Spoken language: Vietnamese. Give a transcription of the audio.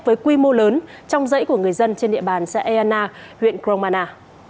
với quy mô lớn trong dãy của người dân trên địa bàn xã eana huyện kromana